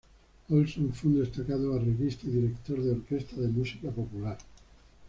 Olsson fue un destacado arreglista y director de orquesta de música popular.